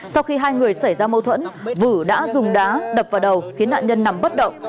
sau khi hai người xảy ra mâu thuẫn vự đã dùng đá đập vào đầu khiến nạn nhân nằm bất động